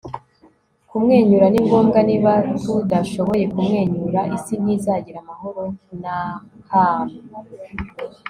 kumwenyura ni ngombwa. niba tudashoboye kumwenyura, isi ntizagira amahoro. - nhat hanh